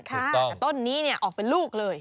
ค่ะต้นนี้เนี่ยออกเป็นลูกเลย